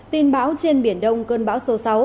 tin bão trên biển đông cơn bão số sáu